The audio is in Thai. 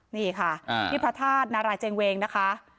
นี่ค่ะพิพรธาตุนราชเจรงเวงนะคะ